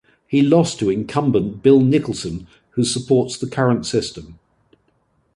He lost to incumbent Bill Nicholson, who supports the current system.